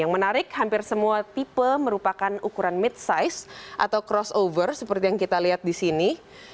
yang menarik hampir semua tipe merupakan ukuran mid size atau crossover seperti yang kita lihat di sini